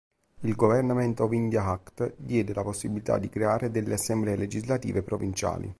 Il Government of India Act diede la possibilità di creare delle assemblee legislative provinciali.